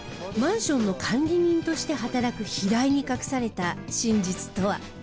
マンションの管理人として働く平井に隠された真実とは。